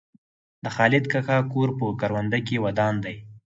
د خالد کاکا کور په کرونده کې ودان دی.